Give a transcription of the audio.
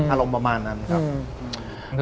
อารมณ์ประมาณนั้นครับ